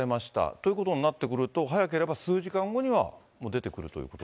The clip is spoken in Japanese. ということになってくると、早ければ数時間後にはもう出てくるということに？